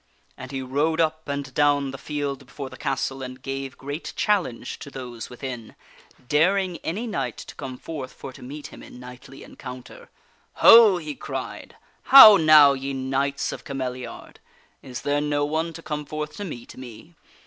And he rode up and down the field before the castle and gave great challenge to those within ; daring any knight to come forth for to meet him in knightly encounter. u Ho !" he cried, " how now, ye Knights of Cameliard ! Is there no one to come forth to meet me?